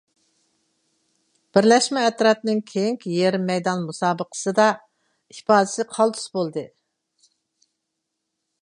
بىرلەشمە ئەترەتنىڭ كېيىنكى يېرىم مەيدان مۇسابىقىدە ئىپادىسى قالتىس بولدى.